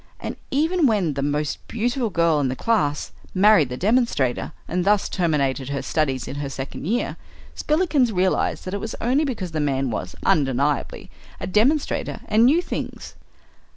And even when the most beautiful girl in the class married the demonstrator and thus terminated her studies in her second year, Spillikins realized that it was only because the man was, undeniably, a demonstrator and knew things.